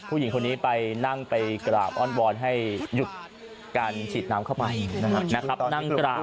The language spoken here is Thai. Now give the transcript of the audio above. ผู้หญิงคนนี้ไปนั่งไปกราบอ้อนวอนให้หยุดการฉีดน้ำเข้าไปนะครับ